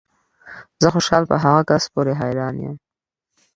زه خوشحال په هغه کس پورې حیران یم